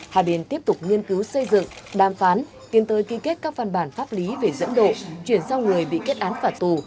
hai bên tiếp tục nghiên cứu xây dựng đàm phán tiến tới ký kết các văn bản pháp lý về dẫn độ chuyển sang người bị kết án phạt tù